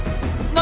何？